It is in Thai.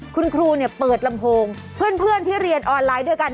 คุณครูเปิดลำโพงเพื่อนที่เรียนออนไลน์ด้วยกัน